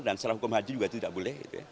dan setelah hukum haji juga tidak boleh